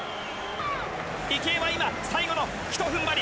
池江は今最後のひと踏ん張り。